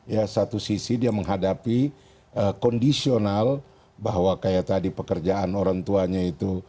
ya satu sisi dia menghadapi kondisional bahwa kayak tadi pekerjaan orang tuanya itu